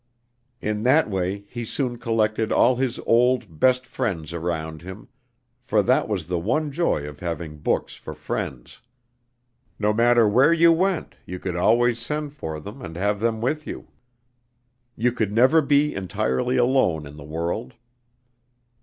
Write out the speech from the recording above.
In that way he soon collected all his old, best friends around him; for that was the one joy of having books for friends. No matter where you went, you could always send for them and have them with you. You could never be entirely alone in the world.